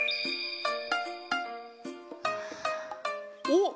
お！